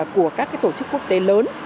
của các tổ chức quốc tế lớn